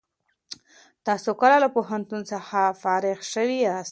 تاسو کله له پوهنتون څخه فارغ شوي یاست؟